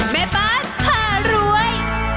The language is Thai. แม่บ้านผ่ารวย